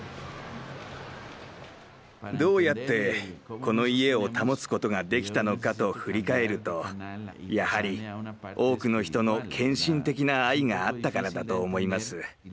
どうやってこの家を保つことができたのかと振り返るとやはり多くの人の献身的な愛があったからだと思います。